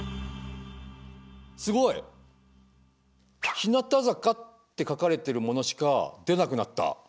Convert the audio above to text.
すごい！日向坂って書かれてるものしか出なくなった。